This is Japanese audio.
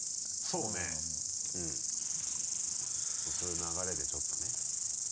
そうそういう流れでちょっとね。